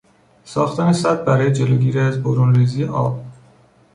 ساختن سد برای جلوگیری از برونریزی آب